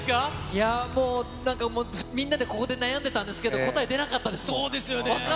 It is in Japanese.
いやー、もうなんか、みんなでここで悩んでたんですけど、そうですよね。